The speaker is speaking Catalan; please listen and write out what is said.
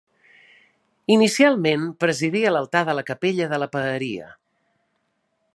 Inicialment presidia l'altar de la capella de la Paeria.